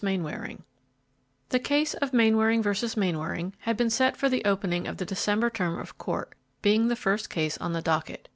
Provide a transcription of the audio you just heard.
MAINWARING The case of Mainwaring versus Mainwaring had been set for the opening of the December term of court, being the first case on the docket.